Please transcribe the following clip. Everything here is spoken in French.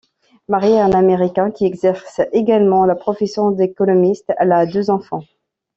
Mariée à un Américain qui exerce également la profession d'économiste, elle a deux enfants.